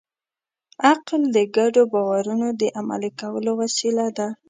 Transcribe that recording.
عقل د ګډو باورونو د عملي کولو وسیله ده.